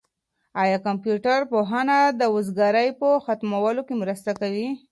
آیا کمپيوټر پوهنه د وزګارۍ په ختمولو کي مرسته کوي؟